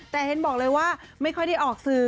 แต่เห็นบอกเลยว่าไม่ค่อยได้ออกสื่อ